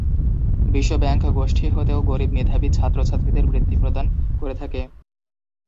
বিশ্ব ব্যাংক গোষ্ঠী হতেও গরীব মেধাবী ছাত্র-ছাত্রীদের বৃত্তি প্রদান করে থাকে।